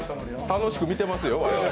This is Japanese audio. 楽しく見てますよ、我々。